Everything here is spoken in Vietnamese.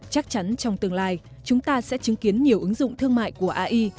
chắc chắn trong tương lai chúng ta sẽ chứng kiến nhiều ứng dụng thương mại của ai